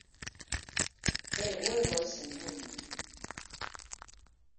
El huevo es el mundo.